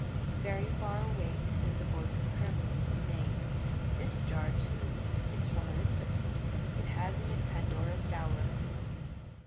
Very far away seemed the voice of Hermes saying, "This jar, too, is from Olympus; it has in it Pandora's dower."